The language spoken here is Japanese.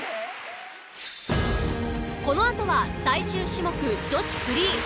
このあとは最終種目女子フリー。